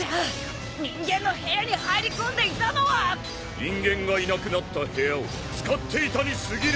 人間がいなくなった部屋を使っていたにすぎぬ！